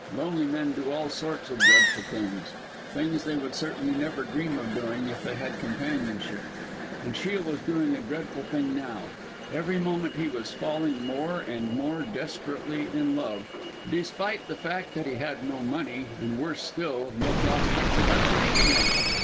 Lonely men do all sorts of dreadful things things they would certainly never dream of doing if they had companionship. And Shiel was doing a dreadful thing now. Every moment he was falling more and more desperately in love, despite the fact that he had no money, and worse still no prospects of ever making any.